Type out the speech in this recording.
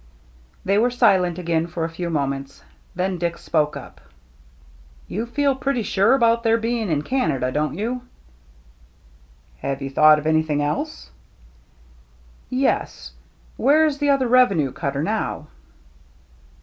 They were silent again for a few moments. Then Dick spoke up. " You feel pretty sure about their being in Canada, don't you ?"" Have you thought of anything else ?" "Yes. Where is the other revenue cutter now?"